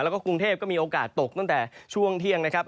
แล้วก็กรุงเทพก็มีโอกาสตกตั้งแต่ช่วงเที่ยงนะครับ